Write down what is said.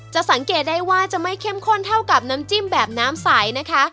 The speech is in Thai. สังเกตได้ว่าจะไม่เข้มข้นเท่ากับน้ำจิ้มแบบน้ำใสนะคะ